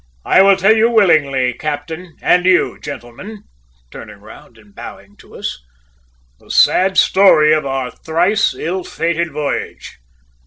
"I will tell you willingly, captain, and you, gentlemen, turning round and bowing to us, the sad story of our thrice ill fated voyage."